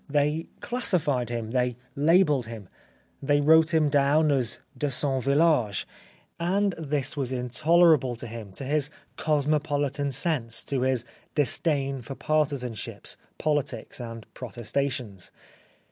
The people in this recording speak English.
They classified him; they labelled him ; they wrote him down as de son village ; and this was intolerable to him, to his cosmopolitan sense, to his disdain for partisanships, politics and protestations.